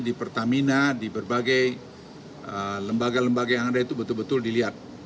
di pertamina di berbagai lembaga lembaga yang ada itu betul betul dilihat